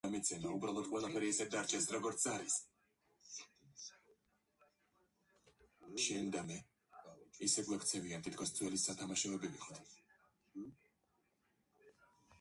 დიდხანს იყო ადგილობრივ ქართველთა სათვისტომოს თავმჯდომარე.